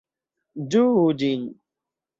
Ĝuu ĝin!